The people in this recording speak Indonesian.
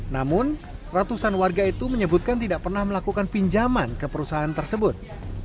namun ratusan warga itu menyebutkan tidak pernah melakukan pinjaman ke perusahaan tersebut